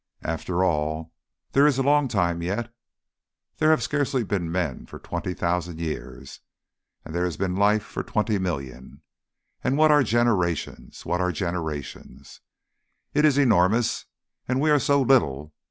"After all there is a long time yet. There have scarcely been men for twenty thousand years and there has been life for twenty millions. And what are generations? What are generations? It is enormous, and we are so little.